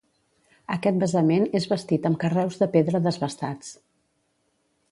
Aquest basament és bastit amb carreus de pedra desbastats.